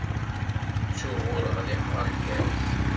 Ttuɣ ur ɣliqeɣ lgaz!